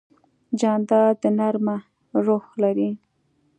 جانداد د نرمه روح لري.